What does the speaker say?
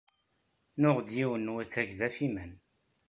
Nuɣ-d yiwen n wattag d amfiman.